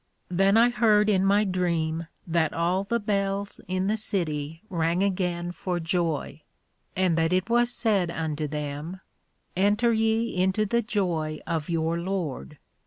Then I heard in my Dream that all the Bells in the City rang again for joy, and that it was said unto them, Enter ye into the joy of your Lord.